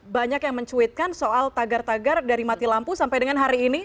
banyak yang mencuitkan soal tagar tagar dari mati lampu sampai dengan hari ini